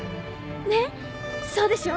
ねっそうでしょ？